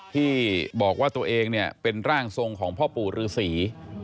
ที่บอกว่าตัวเองเนี่ยเป็นร่างทรงของพ่อปู่ฤษี